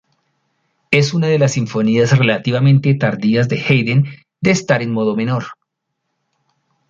Es una de las sinfonías relativamente tardías de Haydn de estar en modo menor.